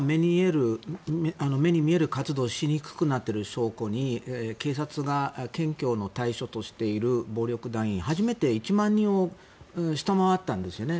目に見える活動がしにくくなっている証拠に警察が検挙の対象としている暴力団員、初めて１万人を下回ったんですよね